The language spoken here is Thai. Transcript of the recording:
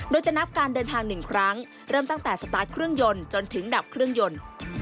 โดยจะนับการเดินทาง๑ครั้งเริ่มตั้งแต่สตาร์ทเครื่องยนต์จนถึงดับเครื่องยนต์